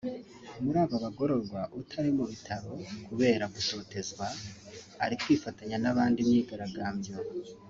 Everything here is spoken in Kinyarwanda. murabo bagororwa utari mu bitaro kubera gutotezwa ari kwifatanya n’abandi imyigaragambyo